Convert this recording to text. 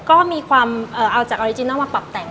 ก็มีความเอาจากออริจินัลมาปรับแต่ง